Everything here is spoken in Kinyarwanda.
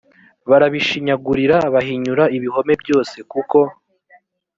barabishinyagurira bahinyura ibihome byose kuko